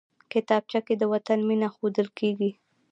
کتابچه کې د وطن مینه ښودل کېږي